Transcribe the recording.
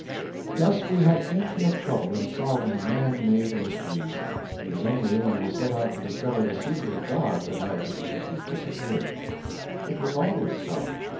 Thus we have infinite trouble in solving man made mysteries; it is only when we set out to discover the secret of God that our difficulties disappear. It was always so.